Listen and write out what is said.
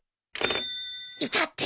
いたって？